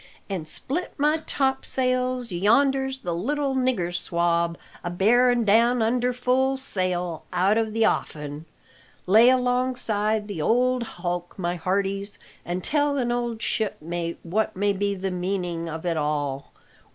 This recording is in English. An' split my topsails, yonder's the little nigger swab a bearin' down under full sail out o' the offin! Lay alongside the old hulk, my hearties, an' tell an old shipmate what may be the meaning of it all.